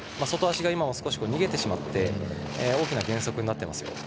外足が逃げてしまって大きな減速になっています。